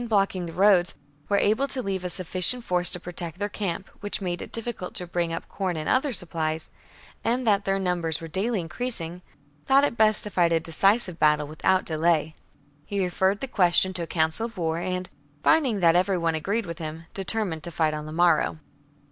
blocking the roads, were able to leave a sufficient force to protect their camp, which made it difficult to bring up corn and other supplies, and that their numbers were daily increasing, thought it best to fight a decisive battle without delay. He referred the question to a council of war, and, finding that every one agreed with him, determined to fight on the morrow.